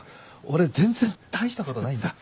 俺全然大したことないんだ。